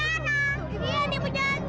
iya ini penjahatnya